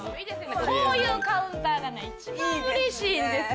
こういうカウンターが一番うれしいんですよ。